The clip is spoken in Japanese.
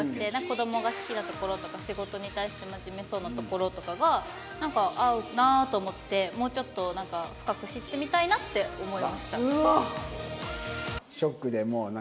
子供が好きなところとか仕事に対して真面目そうなところとかがなんか合うなと思ってもうちょっと深く知ってみたいなって思いました。